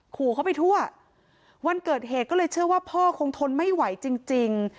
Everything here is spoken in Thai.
ขู่เขาไปทั่ววันเกิดเหตุก็เลยเชื่อว่าพ่อคงทนไม่ไหวจริงจริง